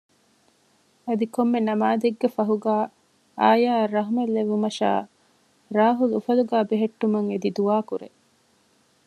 އަދި ކޮންމެ ނަމާދެއްގެ ފަހުގައި އާޔާއަށް ރަހުމަތް ލެއްވުމަށާ ރާހުލް އުފަލުގައި ބެހެއްޓުމަށް އެދި ދުޢާ ކުރޭ